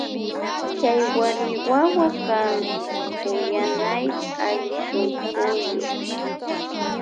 Chay warmi wawa kan kuyanay allishunkuyuk.